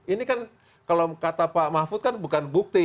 ini kan kalau kata pak mahfud kan bukan bukti